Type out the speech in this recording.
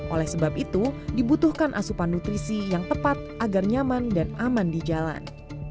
oleh sebab itu dibutuhkan asupan nutrisi yang tepat agar nyaman dan aman di jalan